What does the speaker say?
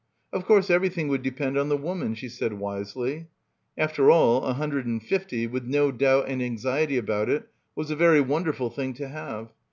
"Of course, everything would depend on the woman," she said wisely. After all a hundred and fifty, with no doubt and anxiety about it was a very wonderful thing to have.